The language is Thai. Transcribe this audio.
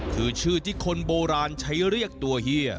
คือชื่อที่คนโบราณใช้เรียกตัวเฮีย